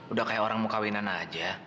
udah kayak orang mau kawinan aja